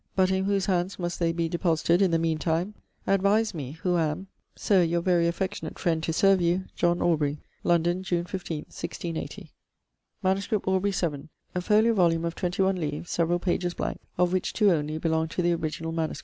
But in whose hands must they be deposited in the mean time? advise me, who am, Sir, Your very affectionate friend to serve you, JOHN AUBREY. London, June 15, 1680.' =MS. Aubr. 7=: a folio volume of twenty one leaves (several pages blank), of which two only belong to the original MS.